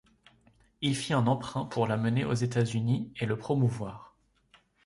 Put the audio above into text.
Il fit un emprunt pour l'amener aux États-Unis et le promouvoir.